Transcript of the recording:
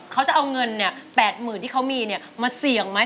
เขาจะเอาเงิน๘๐๐๐ที่เขามีมาเสี่ยงไหม